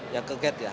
yang ke gate ya